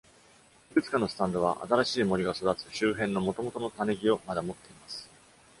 いくつかのスタンドは新しい森が育つ周辺の元々の種木をまだもっています。